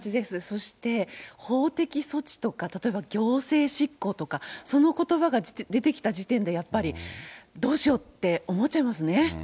そして法的措置とか、例えば行政執行とか、そのことばが出てきた時点で、やっぱりどうしようって思っちゃいますね。